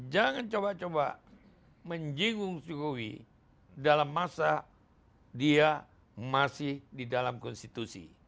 jangan coba coba menjigung jokowi dalam masa dia masih di dalam konstitusi